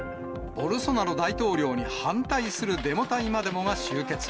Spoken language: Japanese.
ボルソナロ大統領に反対するデモ隊までもが集結。